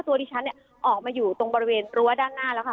ตัวดิฉันเนี่ยออกมาอยู่ตรงบริเวณรั้วด้านหน้าแล้วค่ะ